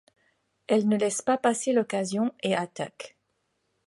Elle ne laisse pas passer l'occasion et attaque.